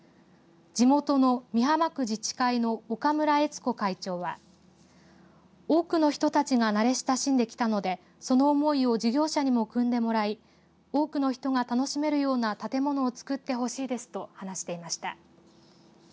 地元の美浜区自治会の岡村悦子会長は多くの人たちが慣れ親しんできたのでその思いを事業者にもくんでもらい多くの人が楽しめるような建物を作ってほしいですと話していました。